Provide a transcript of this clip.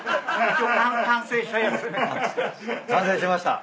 完成しました。